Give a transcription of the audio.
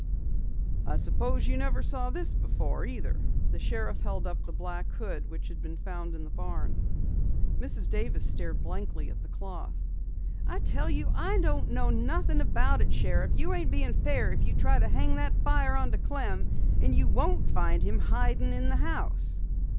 "I suppose you never saw this before either." The sheriff held up the black hood which had been found in the barn. Mrs. Davis stared blankly at the cloth. "I tell you, I don't know nothin' about it, Sheriff. You ain't being fair if you try to hang that fire onto Clem. And you won't find him hidin' in the house."